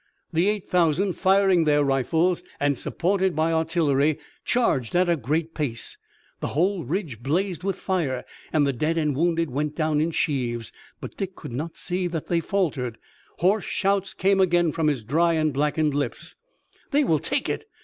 The eight thousand firing their rifles and supported by artillery charged at a great pace. The whole ridge blazed with fire, and the dead and wounded went down in sheaves. But Dick could not see that they faltered. Hoarse shouts came again from his dry and blackened lips: "They will take it!